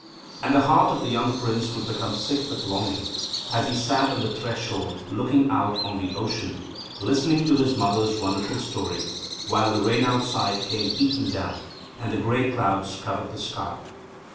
And the heart of the young Prince would become sick with longing, as he sat on the threshold, looking out on the ocean, listening to his mother's wonderful story, while the rain outside came beating down and the grey clouds covered the sky.